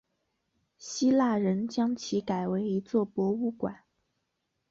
希腊人将其改为一座博物馆。